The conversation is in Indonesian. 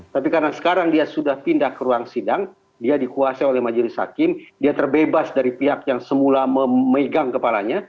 tapi karena sekarang dia sudah pindah ke ruang sidang dia dikuasai oleh majelis hakim dia terbebas dari pihak yang semula memegang kepalanya